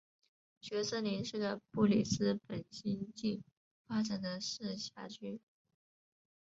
蕨森林是个布里斯本新近发展的市辖区。